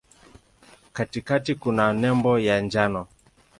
Katikati kuna nembo ya njano.